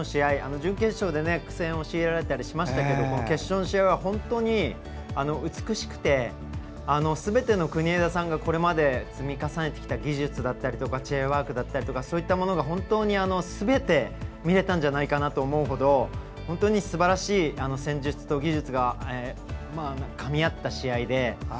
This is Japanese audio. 準決勝で苦戦を強いられたりしましたけど決勝の試合は本当に美しくてすべての国枝さんがこれまで積み重ねてきた技術だったりチェアワークだったりがそういったものがすべて見れたんじゃないかなと思うほど本当にすばらしい戦術と技術がかみ合った試合で。